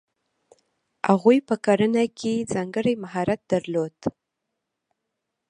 هغوی په کرنه کې ځانګړی مهارت درلود.